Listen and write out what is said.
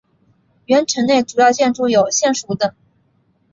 原城内主要建筑有县署等。